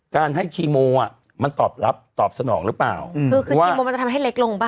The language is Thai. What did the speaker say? การให้คีโมอ่ะมันตอบรับตอบสนองหรือเปล่าคือคือคีโมมันจะทำให้เล็กลงป่